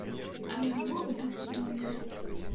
Але ўмовы там цудоўныя.